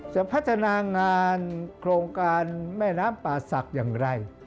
จะพัฒนางานโครงการแม่น้ำป่าศักดิ์อย่างไร